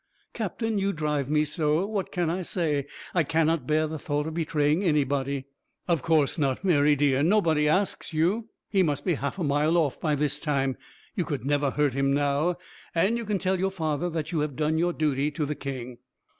"Captain, you drive me so, what can I say? I cannot bear the thought of betraying anybody." "Of course not, Mary dear; nobody asks you. He must be half a mile off by this time. You could never hurt him now; and you can tell your father that you have done your duty to the king."